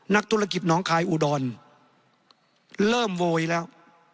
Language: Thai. นักธุรกิจน้องคายอุดรเริ่มโวยแล้ว